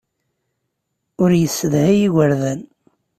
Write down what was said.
Ur yessedhay igerdan.